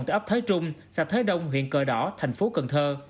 tại ấp thái trung xã thái đông huyện cờ đỏ tp cn